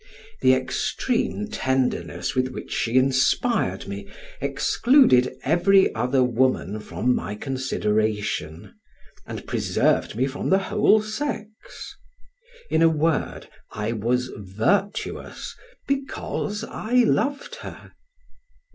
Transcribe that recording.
The extreme tenderness with which she inspired me excluded every other woman from my consideration, and preserved me from the whole sex: in a word, I was virtuous, because I loved her.